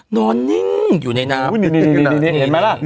นอนนิ่งอยู่ในนาป